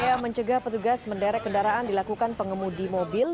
upaya mencegah petugas menderek kendaraan dilakukan pengemudi mobil